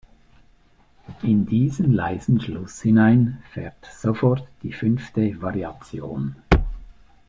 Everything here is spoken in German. In diesen leisen Schluss hinein fährt sofort die fünfte Variation.